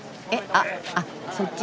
ああっそっち。